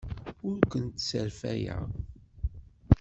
Ur kent-sserfayeɣ.